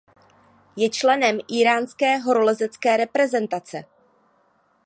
Je členem íránské horolezecké reprezentace.